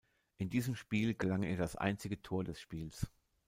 In diesem Spiel gelang ihr das einzige Tor des Spiels.